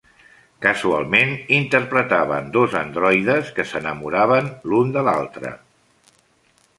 Casualment, interpretaven dos androides que s'enamoraven l'un de l'altre.